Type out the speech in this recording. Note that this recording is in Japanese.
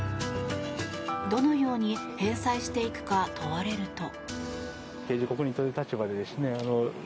どのように返済していくか問われると。